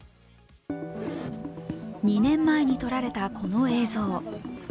２年前に撮られたこの映像。